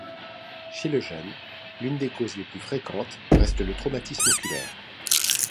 Chez le jeune, l'une des causes les plus fréquentes reste le traumatisme oculaire.